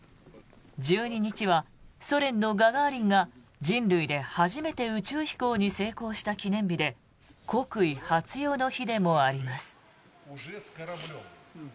１２日はソ連のガガーリンが人類で初めて宇宙飛行に成功した記念日で国威発揚の日でもあります。